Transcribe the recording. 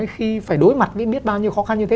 khi phải đối mặt với biết bao nhiêu khó khăn như thế